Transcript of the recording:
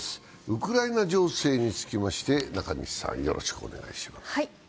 ウクライナ情勢につきまして、中西さんよろしくお願いします。